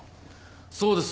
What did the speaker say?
そうです。